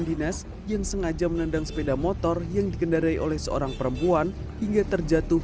dinas yang sengaja menendang sepeda motor yang dikendarai oleh seorang perempuan hingga terjatuh